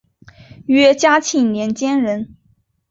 约嘉庆年间人。